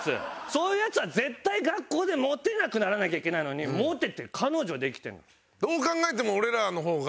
そういうヤツは絶対学校でモテなくならなきゃいけないのにモテて彼女できてるの。